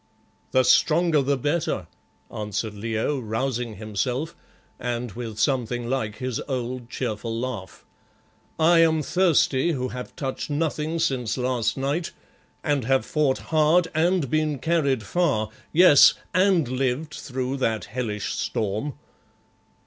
"The stronger the better," answered Leo, rousing himself, and with something like his old, cheerful laugh. "I am thirsty who have touched nothing since last night, and have fought hard and been carried far, yes and lived through that hellish storm."